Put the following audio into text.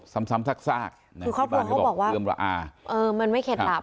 ซ้ำซ้ำซากซากคือครอบครัวเขาบอกว่าเอือมระอาเออมันไม่เข็ดหลับ